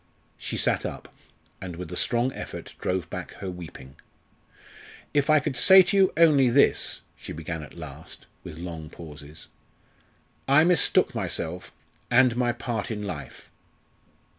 She sat up, and with a strong effort drove back her weeping. "If I could say to you only this," she began at last, with long pauses, "'I mistook myself and my part in life.